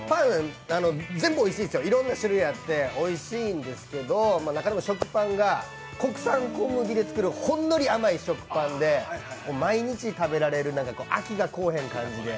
全部おいしいんですよ、いろんな種類があっておいしいんですけど中でも食パンが、国産小麦で作るほんのり甘い食パンで毎日食べられる飽きが来へん感じで。